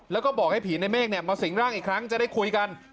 แล้วก็บอกให้ผีในเมฆมาสิงร่างอีกครั้งจะได้คุยกัน